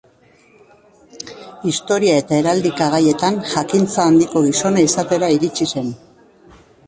Historia eta heraldika-gaietan jakintza handiko gizona izatera iritsi zen.